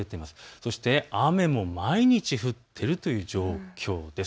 そして雨も毎日降っているという状況です。